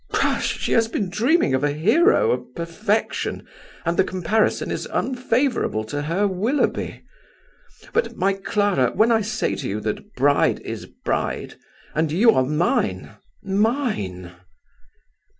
Tush! she has been dreaming of a hero of perfection, and the comparison is unfavourable to her Willoughby. But, my Clara, when I say to you, that bride is bride, and you are mine, mine!"